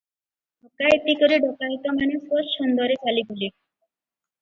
ଡକାଏତି କରି ଡକାଏତମାନେ ସ୍ୱଚ୍ଛନ୍ଦରେ ଚାଲିଗଲେ ।